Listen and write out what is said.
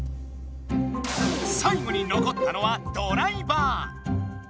最後にのこったのはドライバー！